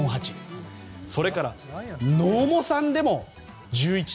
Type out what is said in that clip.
それから野茂さんでも１１．１０。